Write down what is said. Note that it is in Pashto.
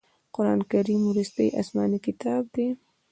قرآن کریم وروستی اسمانې کتاب دی.